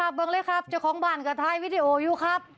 เบิ้งเลยครับเจ้าของบ้านก็ท้ายวิดีโออยู่ครับ